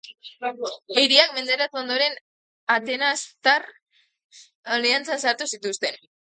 Hiriak menderatu ondoren atenastar aliantzan sartu zituen.